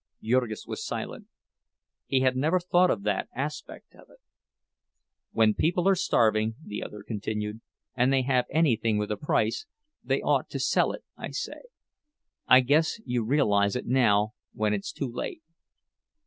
Jurgis was silent; he had never thought of that aspect of it. "When people are starving," the other continued, "and they have anything with a price, they ought to sell it, I say. I guess you realize it now when it's too late.